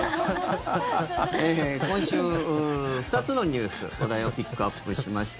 今週、２つのニュース話題をピックアップしました。